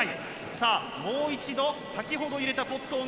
さぁもう一度先ほど入れたポットを狙う。